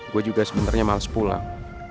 gue juga sebenarnya males pulang